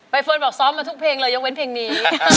เฟิร์นบอกซ้อมมาทุกเพลงเลยยกเว้นเพลงนี้